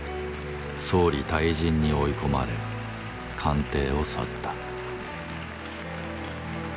総理退陣に追い込まれ官邸を去った。